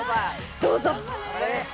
どうぞ！